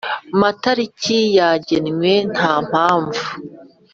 Matariki yagenwe nta mpamvu